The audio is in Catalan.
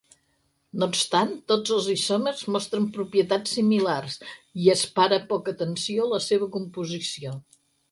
No obstant, tots els isòmers mostren propietats similars i es para poca atenció a la seva composició.